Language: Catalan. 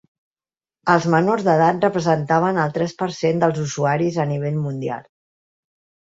Els menors d’edat representaven el tres per cent dels usuaris a nivell mundial.